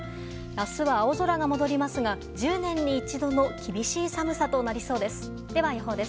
明日は青空が戻りますが１０年に一度の厳しい寒さとなりそうです。